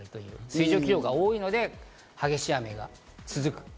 水蒸気量が多いので激しい雨が続く。